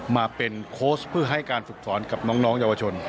มาเป็นโค้ชเพื่อให้การฝึกสอนกับน้องเยาวชน